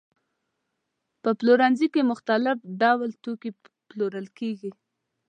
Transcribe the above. په پلورنځي کې مختلف ډول توکي پلورل کېږي.